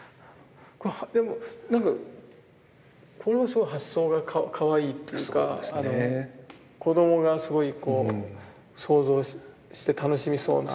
でも何かこのすごい発想がかわいいっていうか子どもがすごいこう想像して楽しみそうな